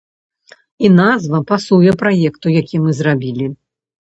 І назва пасуе праекту, які мы зрабілі.